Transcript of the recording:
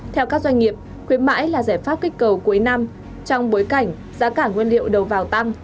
theo các doanh nghiệp khuyến mãi là giải pháp kích cầu cuối năm trong bối cảnh giá cả nguyên liệu đầu vào tăng